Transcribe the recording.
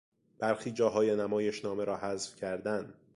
برخی جاهای نمایشنامه را حذف کردن